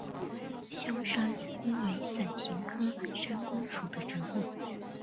鞘山芎为伞形科山芎属的植物。